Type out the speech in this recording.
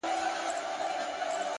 پرمختګ د هڅو تسلسل غواړي.!